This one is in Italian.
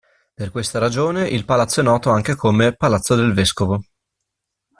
Per questa ragione, il palazzo è noto anche come "palazzo del Vescovo".